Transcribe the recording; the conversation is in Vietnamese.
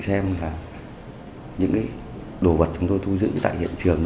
chùm chìa khóa mà công an thu được tại hiện trường